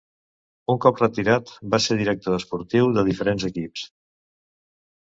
Un cop retirat va ser director esportiu de diferents equips.